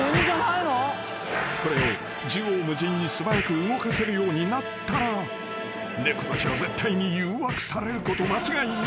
［これを縦横無尽に素早く動かせるようになったら猫たちは絶対に誘惑されること間違いなし］